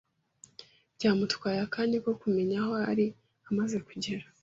Byamutwaye akanya ko kumenya aho ari amaze kugera.